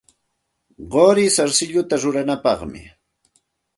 Quri sarsilluta ruranapaqmi.